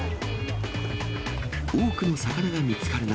多くの魚が見つかる中、